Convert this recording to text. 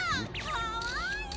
かわいい！